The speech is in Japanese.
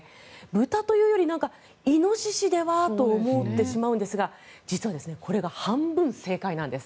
豚というより、イノシシでは？と思ってしまうんですが実は、これが半分正解なんです。